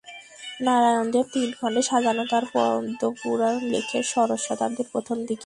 নারায়ণ দেব তিন খণ্ডে সাজানো তাঁর পদ্মপুরাণ লেখেন ষোড়শ শতাব্দীর প্রথম দিকে।